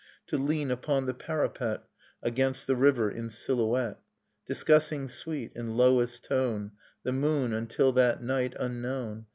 To lean upon the parapet Against the river in silhouette, Discussing sweet, in lowest tone, The moon, — until that night unknown